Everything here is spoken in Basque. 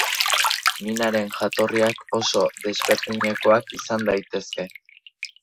Minaren jatorriak oso desberdinekoak izan daitezke.